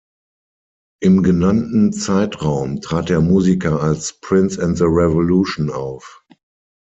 Im genannten Zeitraum trat der Musiker als Prince and the Revolution auf.